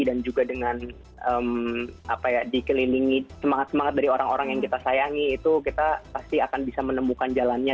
dan juga dengan apa ya dikelilingi semangat semangat dari orang orang yang kita sayangi itu kita pasti akan bisa menemukan jalannya